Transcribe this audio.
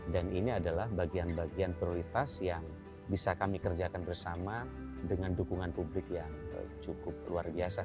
dan ini adalah bagian bagian prioritas yang bisa kami kerjakan bersama dengan dukungan publik yang cukup luar biasa